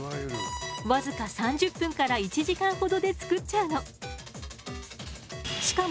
僅か３０分から１時間ほどでつくっちゃうの。